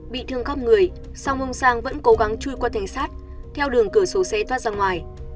bị thương khắp người song ông sang vẫn cố gắng chui qua thanh sát theo đường cửa sổ xe thoát ra ngoài